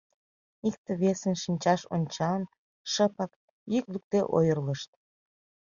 Икте-весын шинчаш ончалын, шыпак, йӱк лукде ойырлышт.